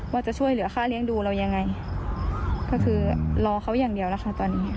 ว่าจะช่วยเหลือค่าเลี้ยงดูเรายังไงก็คือรอเขาอย่างเดียวแล้วค่ะตอนนี้